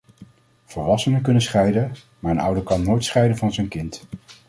Volwassenen kunnen scheiden, maar een ouder kan nooit scheiden van zijn kind.